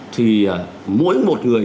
thì mỗi một người